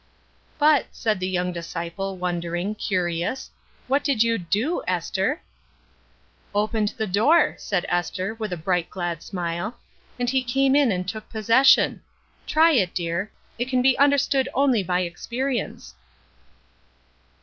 " "But," said the young disciple, wondering, curious, "what did you do, Esther?" " Opened the door," said Esther, with a bright, glad smile, " and He came in and took possession. Try it, dear; it can be understood only by ex perience."